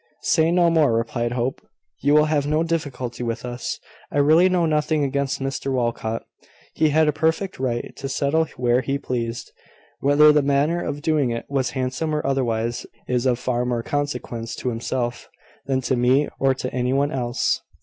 "Say no more," replied Hope. "You will have no difficulty with us. I really know nothing against Mr Walcot. He had a perfect right to settle where he pleased. Whether the manner of doing it was handsome or otherwise, is of far more consequence to himself than to me, or to any one else."